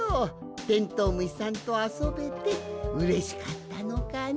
テントウムシさんとあそべてうれしかったのかの？